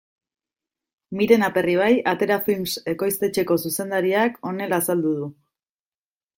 Miren Aperribai Atera Films ekoiztetxeko zuzendariak honela azaldu du.